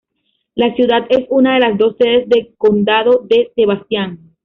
La ciudad es una de las dos sedes de condado de Sebastian.